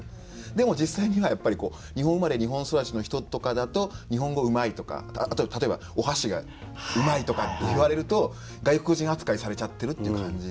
でも実際にはやっぱりこう日本生まれ日本育ちの人とかだと日本語うまいとかあと例えばお箸がうまいとかって言われると外国人扱いされちゃってるっていう感じになっちゃうから。